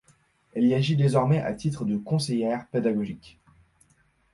Elle y agit désormais à titre de conseillère pédagogique.